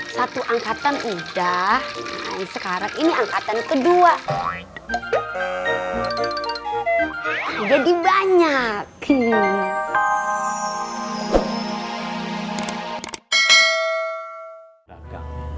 satu angkatan udah sekarang ini angkatan kedua jadi banyak